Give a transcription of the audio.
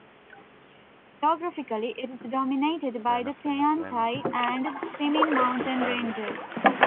Geographically, it is dominated by the Tiantai and Siming mountain ranges.